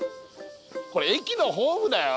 これ駅のホームだよ。